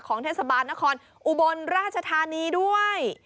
เทศบาลนครอุบลราชธานีด้วย